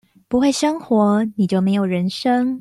不會生活，你就沒有人生